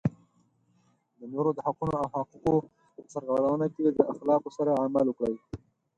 د نورو د حقونو او حقوقو په سرغړونه کې د اخلاقو سره عمل وکړئ.